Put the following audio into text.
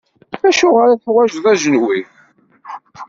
Acuɣer i teḥwaǧeḍ ajenwi?